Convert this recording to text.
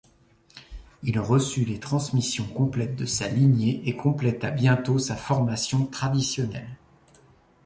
Il reçut les transmissions complètes de sa lignée et compléta bientôt sa formation traditionnelle.